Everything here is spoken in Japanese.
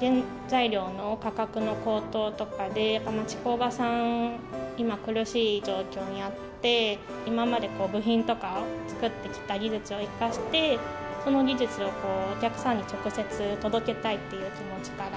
原材料の価格の高騰とかで町工場さん、今、苦しい状況にあって、今まで部品とか作ってきた技術を生かして、その技術をお客さんに直接届けたいっていう気持ちから。